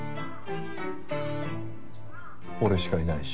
俺しかいないし。